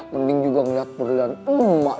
mending juga ngeliat berlian emak